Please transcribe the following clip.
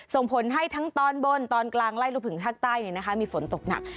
ส่งผลให้ทั้งตอนบนตอนกลางไล่รูปถึงทางใต้เนี่ยนะคะมีฝนตกหนัก